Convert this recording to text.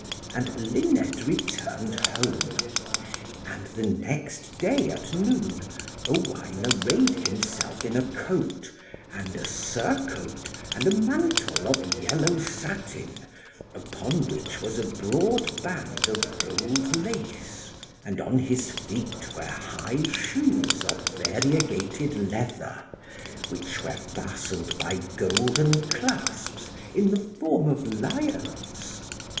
And Luned returned home. And the next day, at noon, Owain arrayed himself in a coat, and a surcoat, and a mantle of yellow satin, upon which was a broad band of gold lace; and on his feet were high shoes of variegated leather, which were fastened by golden clasps, in the form of lions.